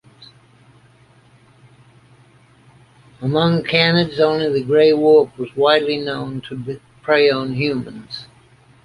Among canids, only the gray wolf has widely been known to prey on humans.